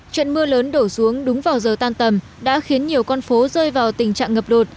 trận mưa lớn đổ xuống đúng vào giờ tan tầm đã khiến nhiều con phố rơi vào tình trạng ngập lụt